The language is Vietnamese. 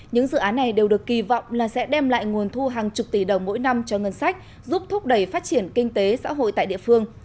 những dự án này đều được kỳ vọng là sẽ đem lại nguồn thu hàng chục tỷ đồng mỗi năm cho ngân sách giúp thúc đẩy phát triển kinh tế xã hội tại địa phương